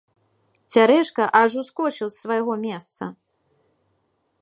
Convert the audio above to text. Цярэшка аж ускочыў з свайго месца.